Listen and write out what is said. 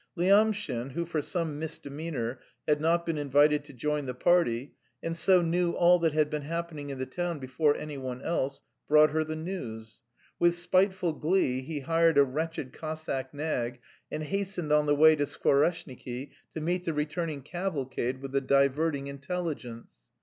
Lyamshin, who for some misdemeanour had not been invited to join the party and so knew all that had been happening in the town before anyone else, brought her the news. With spiteful glee he hired a wretched Cossack nag and hastened on the way to Skvoreshniki to meet the returning cavalcade with the diverting intelligence.